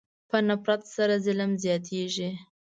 په نفرت سره ظلم زیاتېږي.